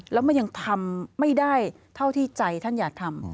แล้วมันยังทำไม่ได้เท่าที่ใจท่านอยากทำ